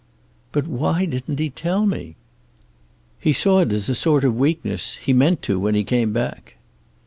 "But why didn't he tell me?" "He saw it as a sort of weakness. He meant to when he came back."